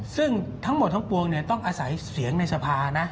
ซึ่งทั้งหมดทั้งปวงต้องอาศัยเสียงในสภานะ